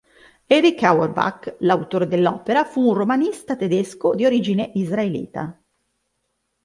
Erich Auerbach, l'autore dell'opera, fu un romanista tedesco di religione israelita.